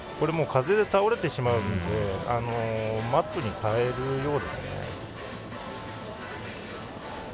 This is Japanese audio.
風で倒れてしまうのでマットに変えるようですね。